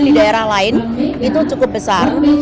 di daerah lain itu cukup besar